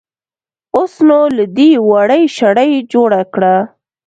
اوس نو له دې وړۍ شړۍ جوړه کړه.